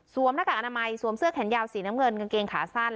สวมเสื้อแขนยาวสีน้ำเงินกางเกงขาสั้น